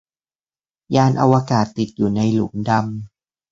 ยานอวกาศติดอยู่ในหลุมดำ